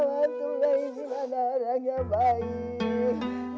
bantu naya gimana naya baik